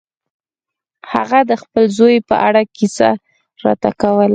هغه د خپل زوی په اړه کیسه راته کوله.